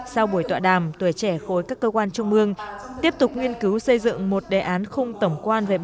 sau buổi tọa đàm tuổi trẻ khối các cơ quan trung ương